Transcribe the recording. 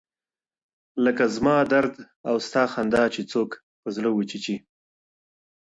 لکه زما درد او ستا خندا چي څوک په زړه وچيچي~